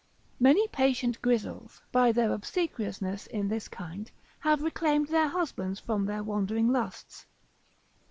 Many patient Grizels, by their obsequiousness in this kind, have reclaimed their husbands from their wandering lusts.